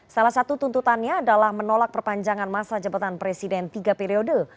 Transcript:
salah satu tuntutannya adalah menolak perpanjangan masa jabatan presiden tiga periode